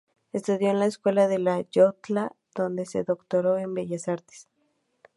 Estudió en la Escuela de la Llotja, donde se doctoró en Bellas Artes.